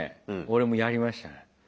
俺もやりましたね。